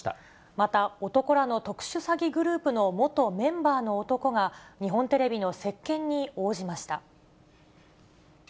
また男らの特殊詐欺グループの元メンバーの男が、日本テレビの接見に応じました。